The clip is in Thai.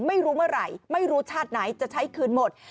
ไม่รู้เมื่อไหร่ไม่รู้ชาติไหนจะใช้คืนหมด